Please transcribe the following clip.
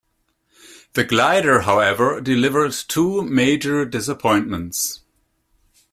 The glider, however, delivered two major disappointments.